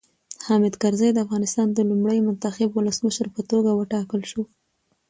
حامد کرزی د افغانستان د لومړي منتخب ولسمشر په توګه وټاکل شو.